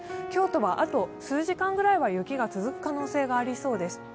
京都はあと数時間くらいは雪が続く可能性がありそうです。